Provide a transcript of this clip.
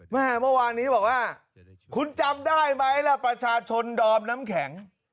เมื่อวานนี้บอกว่าคุณจำได้ไหมล่ะประชาชนดอมน้ำแข็ง